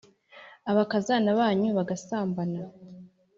abakazana banyu bagasambana.